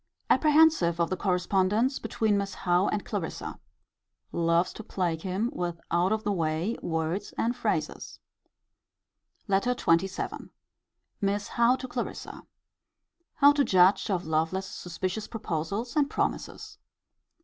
Apprehensive of the correspondence between Miss Howe and Clarissa. Loves to plague him with out of the way words and phrases. LETTER XXVII. Miss Howe to Clarissa. How to judge of Lovelace's suspicious proposals and promises.